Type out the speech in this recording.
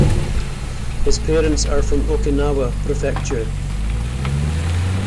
His parents are from Okinawa Prefecture.